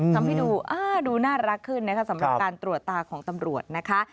ทำให้ดูดูน่ารักขึ้นสำหรับการตรวจตาของตำรวจ